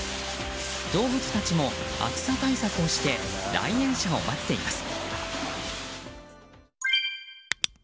動物たちも暑さ対策をして来園者を待っています。